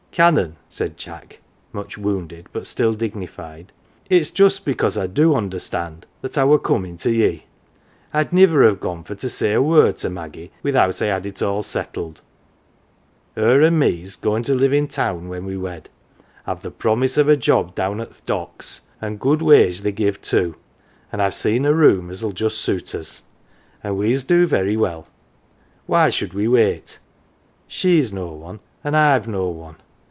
" Canon," said Jack much wounded, but still dignified, " it's j ust because I do understand that I were comin' to ye. Td niver have gone for to say a word to Maggie without I had it all settled. Her an" me's goin' to live in town when we're wed. I've the promise of a job down at th' docks an 1 good wage they give too an' I've seen a room as '11 just suit us. An' we's do very well. Why should we wait ? She's no one, an' I've no one